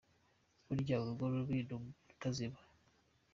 Burya urugo rubi ni umuriro utazima.